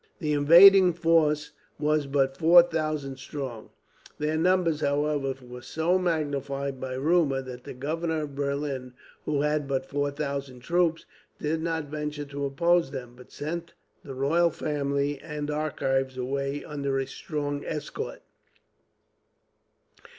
The invading force was but four thousand strong. Their numbers, however, were so magnified by rumour that the governor of Berlin, who had but four thousand troops, did not venture to oppose them, but sent the royal family and archives away under a strong escort.